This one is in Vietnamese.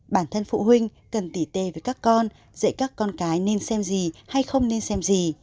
bản thân phụ huynh cần tỉ tê với các con dạy các con cái nên xem gì hay không nên xem gì